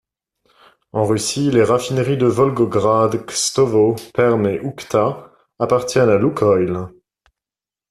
En Russie, les raffineries de Volgograd, Kstovo, Perm et Oukhta appartiennent à Loukoil.